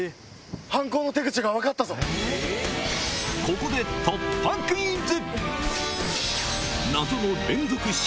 ここで突破クイズ！